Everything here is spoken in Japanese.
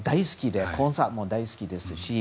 コンサートも大好きですし。